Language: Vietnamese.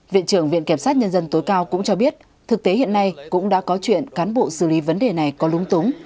viện trưởng viện kiểm sát nhân dân tối cao cũng cho biết thực tế hiện nay cũng đã có chuyện cán bộ xử lý vấn đề này có lúng túng